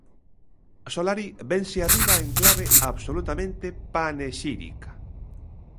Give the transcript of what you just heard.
Solari vense arriba en clave absolutamente panexírica.